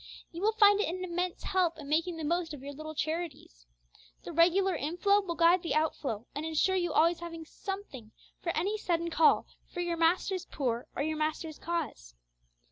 You will find it an immense help in making the most of your little charities. The regular inflow will guide the outflow, and ensure your always having something for any sudden call for your Master's poor or your Master's cause.